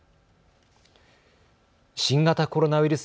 新型コロナウイルス